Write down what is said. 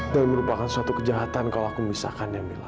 dan merupakan suatu kejahatan kalau aku memisahkannya mila